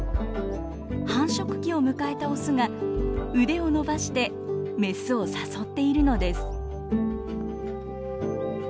繁殖期を迎えたオスが腕を伸ばしてメスを誘っているのです。